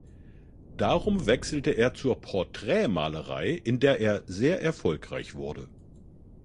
Darum wechselte er zur Porträtmalerei, in der er sehr erfolgreich wurde.